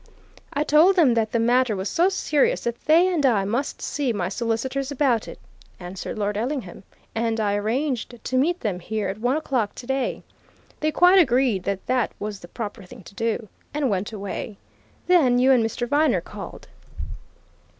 "I told them that the matter was so serious that they and I must see my solicitors about it," answered Lord Ellingham, "and I arranged to meet them here at one o'clock today. They quite agreed that that was the proper thing to do, and went away. Then you and Mr. Viner called."